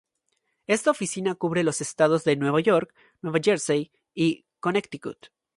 Esta oficina cubre los estados de Nueva York, Nueva Jersey y Connecticut.